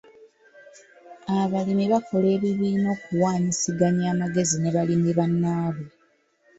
Abalimi bakola ebibiina okuwaanyisiganya amagezi ne balimi bannaabwe.